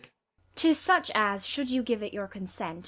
'Tis such as, should you give it your con sent.